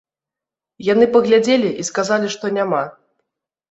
Яны паглядзелі і сказалі, што няма.